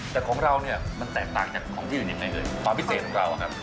แต่ของเราเนี่ยมันแตกต่างจากของที่อื่นยังไงเอ่ยความพิเศษของเราอะครับ